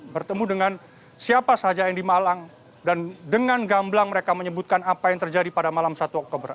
bertemu dengan siapa saja yang di malang dan dengan gamblang mereka menyebutkan apa yang terjadi pada malam satu oktober